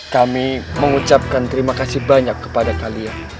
kami mengucapkan terima kasih banyak kepada kalian